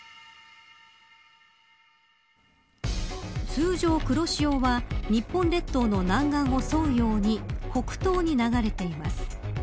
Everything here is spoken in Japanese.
通常、黒潮は日本列島の南岸を沿うように北東に流れています。